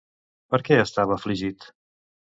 Per què estava afligit?